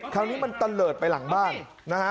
คราวนี้มันตะเลิศไปหลังบ้านนะฮะ